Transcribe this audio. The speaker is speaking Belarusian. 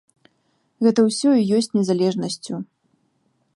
Гэта ўсё і ёсць незалежнасцю.